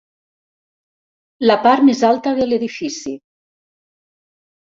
La part més alta de l'edifici.